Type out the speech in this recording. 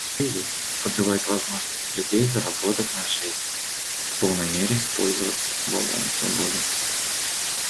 Кризис подрывает возможности людей заработать на жизнь и в полной мере пользоваться благами свободы.